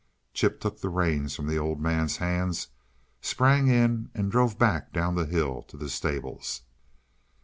Chip took the reins from the Old Man's hands, sprang in and drove back down the hill to the stables.